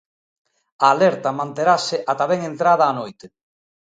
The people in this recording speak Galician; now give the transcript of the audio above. A alerta manterase ata ben entrada a noite.